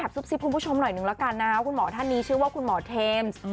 ซุบซิบคุณผู้ชมหน่อยนึงแล้วกันนะครับคุณหมอท่านนี้ชื่อว่าคุณหมอเทมส์